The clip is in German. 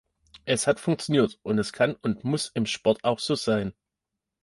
Es hat funktioniert und es kann und muss im Sport auch so sein.